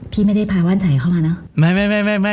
พี่ไม่ได้พาว่านใจเข้ามาเนอะ